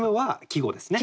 季語です。